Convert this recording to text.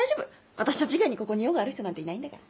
私たち以外にここに用がある人なんていないんだから。